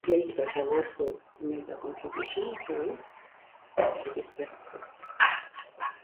All songs written and composed by Curtis Mayfield except where noted.